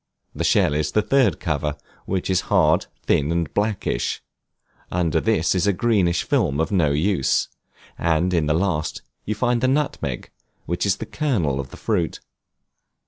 The shell is the third cover, which is hard, thin, and blackish; under this is a greenish film of no use; and in the last you find the nutmeg, which is the kernel of the fruit.